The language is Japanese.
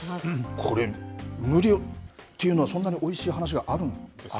これ、無料っていうのは、そんなにおいしい話があるんですか？